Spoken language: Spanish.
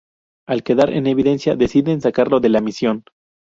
Al quedar en evidencia, deciden sacarlo de la misión.